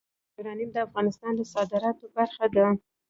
یورانیم د افغانستان د صادراتو برخه ده.